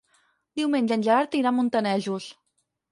Diumenge en Gerard irà a Montanejos.